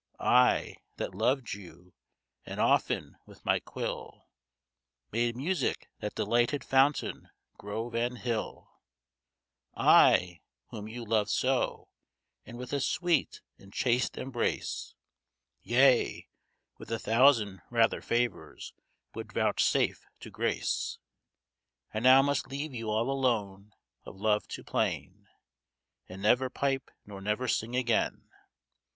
I, that loved you, and often with my quill, Made music that delighted fountain, grove, and hill; I, whom you loved so, and with a sweet and chaste embrace. Yea, with a thousand rather favours, would vouchsafe to grace, I now must leave you all alone, of love to plain; And never pipe, nor never sing again!